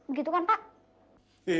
untuk waktu istirahatnya